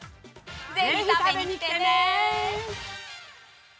ぜひ食べに来てね！